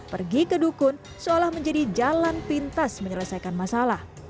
pergi ke dukun seolah menjadi jalan pintas menyelesaikan masalah